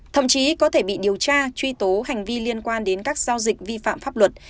thậm chí có thể bị điều tra truy tố hành vi liên quan đến các giao dịch vi phạm pháp luật